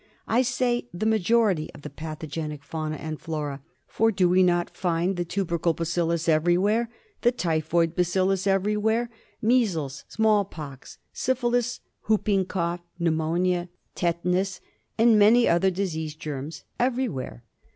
I say the majority of the pathogenic fauna and flora ; for do we not find the tubercle bacillus everywhere, the typhoid bacillus everywhere, measles, smallpox, syphilis, whooping cough, pneumonia, tetanus, and many other disease germs everywhere